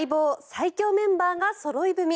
最強メンバーがそろい踏み。